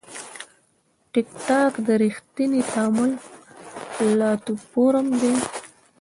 ټکټاک د ریښتیني تعامل پلاتفورم دی.